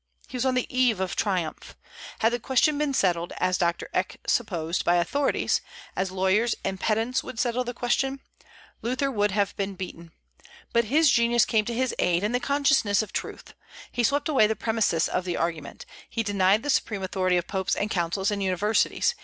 He was on the eve of triumph. Had the question been settled, as Doctor Eck supposed, by authorities, as lawyers and pedants would settle the question, Luther would have been beaten. But his genius came to his aid, and the consciousness of truth. He swept away the premises of the argument. He denied the supreme authority of popes and councils and universities.